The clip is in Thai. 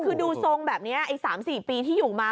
คือดูทรงแบบนี้๓๔ปีที่อยู่มา